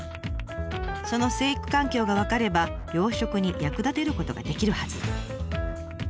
その成育環境が分かれば養殖に役立てることができるはず。